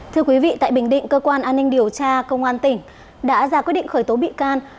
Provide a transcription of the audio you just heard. thưa quý vị tại bình định cơ quan an ninh điều tra công an tỉnh đã ra quyết định khởi tố bị can